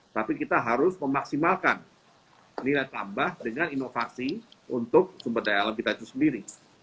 tapi kita harus memaksimalkan nilai tambah dengan inovasi untuk sumber daya alam kita itu sendiri